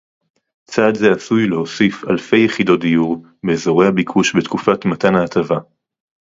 צעד זה עשוי להוסיף אלפי יחידות דיור באזורי הביקוש בתקופת מתן ההטבה